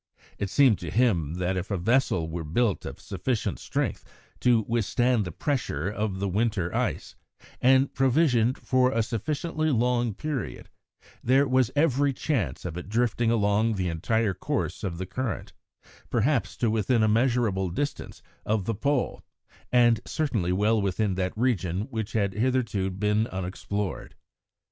It seemed to him that if a vessel were built of sufficient strength to withstand the pressure of the winter ice, and provisioned for a sufficiently long period, there was every chance of it drifting along the entire course of the current, perhaps to within a measurable distance of the Pole, and certainly well within that region which had hitherto been unexplored.